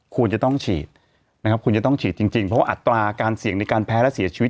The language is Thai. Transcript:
คุณจะต้องฉีดนะครับคุณจะต้องฉีดจริงเพราะว่าอัตราการเสี่ยงในการแพ้และเสียชีวิต